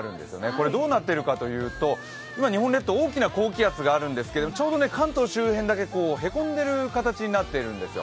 これ、どうなっているかというと、今、日本列島、大きな高気圧があるんですけれどもちょうど関東周辺だけへこんでいる形になっているんですよ。